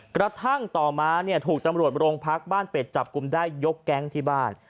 กระทั่งต่อมาเนี่ยถูกตำรวจโรงพักบ้านเป็ดจับกลุ่มได้ยกแก๊งที่บ้าน